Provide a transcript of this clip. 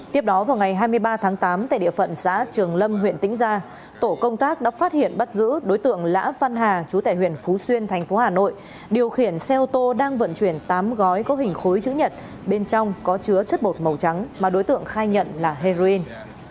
tại địa phận xã trường lâm huyện tĩnh gia công an tỉnh thanh hóa đã phát hiện bắt giữ đối tượng lã văn hà chú tẻ huyện phú xuyên tp hà nội điều khiển xe ô tô đang vận chuyển tám gói có hình khối chữ nhật bên trong có chứa chất bột màu trắng mà đối tượng khai nhận là heroin